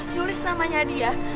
nulis namanya dia